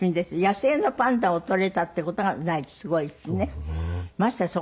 野生のパンダを撮れたっていう事が第一すごいしね。